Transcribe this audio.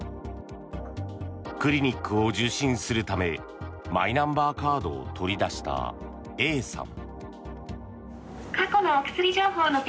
クリニックを受診するためマイナンバーカードを取り出したＡさん。